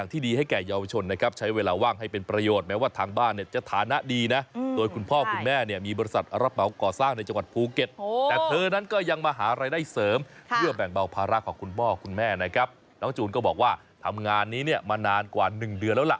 เติมค่ะด้วยแบ่งเบาภาระของคุณพ่อคุณแม่นะครับแล้วจูนก็บอกว่าทำงานนี้เนี้ยมานานกว่าหนึ่งเดือนแล้วล่ะ